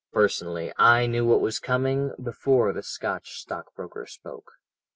"Personally I knew what was coming before the Scotch stockbroker spoke.